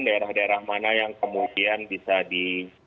daerah daerah mana yang kemudian bisa di